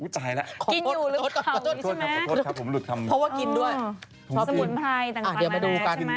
จ้ายแล้วขอโทษครับผมหลุดคำพอว่ากินด้วยสมุนไพรต่างมาแล้วใช่ไหม